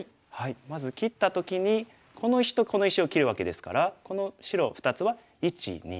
まず切った時にこの石とこの石を切るわけですからこの白２つは１２３手。